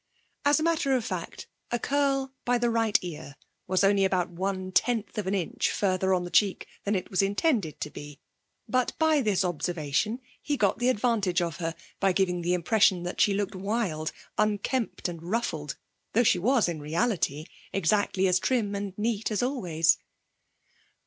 As a matter of fact, a curl by the right ear was only about one tenth of an inch farther on the cheek than it was intended to be But, by this observation, he got the advantage of her by giving the impression that she looked wild, unkempt, and ruffled, though she was, in reality, exactly as trim and neat as always.